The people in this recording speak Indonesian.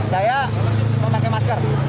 saya mau pakai masker